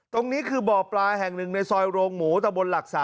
ตรงนี้คือบ่อปลาแห่งหนึ่งในซอยโรงหมูตะบนหลัก๓